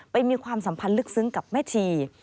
มีความสัมพันธ์ลึกซึ้งกับแม่ชี